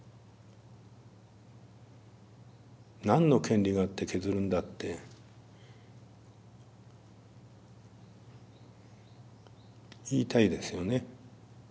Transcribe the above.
何の権利があって削るんだって言いたいですよね。